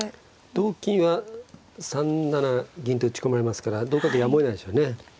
同金は３七銀と打ち込まれますから同角やむをえないでしょうね。